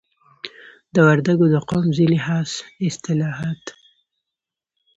د وردګو د قوم ځینی خاص اصتلاحات